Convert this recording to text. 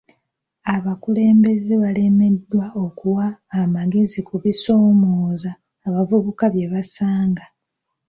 Abakulembeze balemereddwa okuwa amagezi ku bisoomooza abavubi bye basanga.